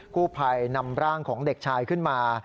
กู้ภัยนำร่างของเด็กชายขึ้นมา